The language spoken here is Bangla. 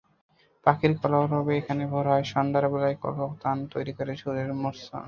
পাখির কলরবে এখানে ভোর হয়, সন্ধ্যাবেলার কলতান তৈরি করে সুরের মূর্ছনা।